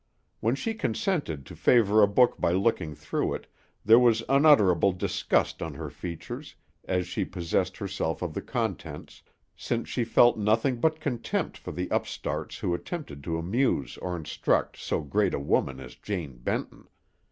When she consented to favor a book by looking through it, there was unutterable disgust on her features as she possessed herself of the contents, since she felt nothing but contempt for the upstarts who attempted to amuse or instruct so great a woman as Jane Benton.